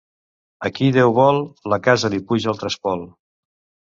A qui Déu vol, la casa li puja al trespol.